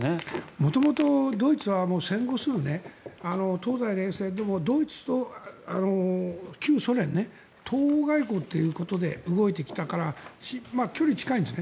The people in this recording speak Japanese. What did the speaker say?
元々、ドイツは戦後すぐ東西冷戦でもドイツと旧ソ連東欧外交ということで動いてきたから距離が近いんですね。